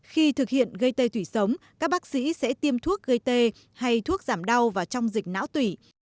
khi thực hiện gây tê thủy sống các bác sĩ sẽ tiêm thuốc gây tê hay thuốc giảm đau và trong dịch não tủy